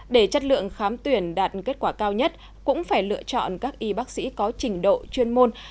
để chất lượng khám tuyển đạt kết quả cao nhất cũng phải lựa chọn các y bác sĩ có trình độ chuyên môn